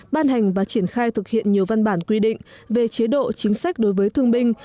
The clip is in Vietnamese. ban hành và triển khai thực hiện nhiều văn bản quy định về chế độ chính sách đối với thương binh